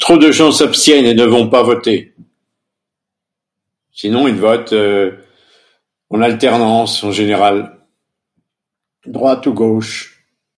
Trop de gens s'abstiennent et ne vont pas voter. Sinon ils votent euh, en alternance, en général. Droite ou gauche.